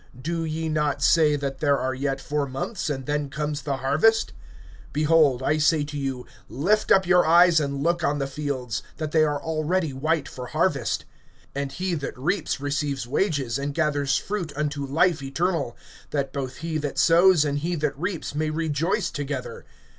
(35)Do ye not say, that there are yet four months, and then comes the harvest? Behold, I say to you, lift up your eyes and look on the fields, that they are already white for harvest. (36)And he that reaps receives wages, and gathers fruit unto life eternal; that both he that sows and he that reaps may rejoice together.